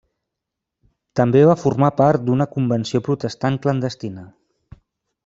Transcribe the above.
També va formar part d'una convenció protestant clandestina.